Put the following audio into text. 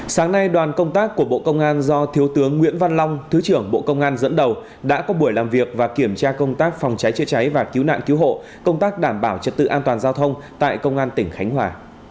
sáng nay đoàn công tác của bộ công an do thiếu tướng nguyễn văn long thứ trưởng bộ công an dẫn đầu đã có buổi làm việc và kiểm tra công tác phòng cháy chữa cháy và cứu nạn cứu hộ công tác đảm bảo trật tự an toàn giao thông tại công an tỉnh khánh hòa